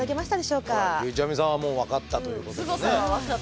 ゆうちゃみさんはもうわかったということですね。